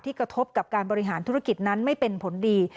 กระทบกับการบริหารธุรกิจนั้นไม่เป็นผลดี